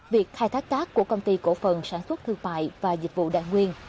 việc khai thác cát của công ty cổ phần sản xuất thương mại và dịch vụ đại nguyên